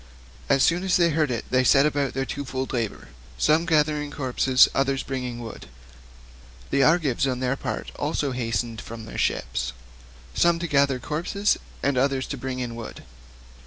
As soon as they heard it they set about their twofold labour, some to gather the corpses, and others to bring in wood. The Argives on their part also hastened from their ships, some to gather the corpses, and others to bring in wood.